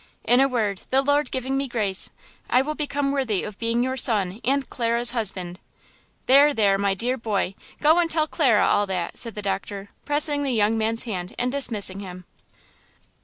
In a word, the Lord giving me grace, I will become worthy of being your son and Clara's husband." "There, there, my dear boy, go and tell Clara all that!" said the doctor, pressing the young man's hand and dismissing him.